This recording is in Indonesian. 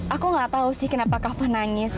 aku nggak tahu sih kenapa kak fah nangis